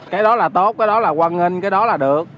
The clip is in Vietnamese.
cái đó là tốt cái đó là quan nghi cái đó là được